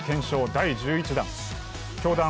第１１弾。